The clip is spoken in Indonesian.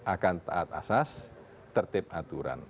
akan taat asas tertibaturan